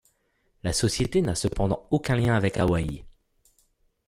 La société n'a cependant aucun lien avec Hawaii.